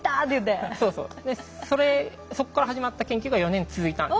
それそこから始まった研究が４年続いたんです。